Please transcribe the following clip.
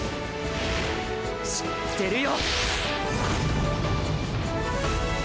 知ってるよ。